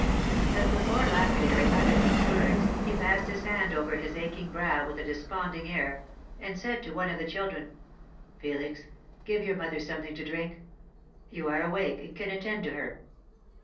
As the poor lapidary uttered these words, he passed his hand over his aching brow with a desponding air, and said to one of the children: "Felix, give your mother something to drink. You are awake, and can attend to her."